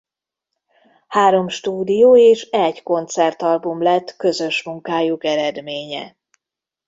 Három stúdió- és egy koncertalbum lett közös munkájuk eredménye.